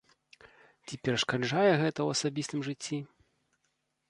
Ці перашкаджае гэта ў асабістым жыцці?